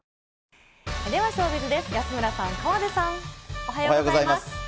おはようございます。